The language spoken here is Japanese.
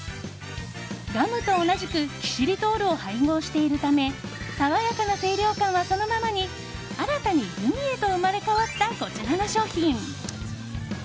ガムと同じくキシリトールを配合しているため爽やかな清涼感はそのままに新たにグミへと生まれ変わったこちらの商品。